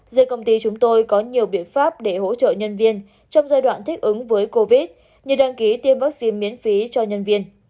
giữa công ty chúng tôi có nhiều biện pháp để hỗ trợ nhân viên trong giai đoạn thích ứng với covid như đăng ký tiêm vaccine miễn phí cho nhân viên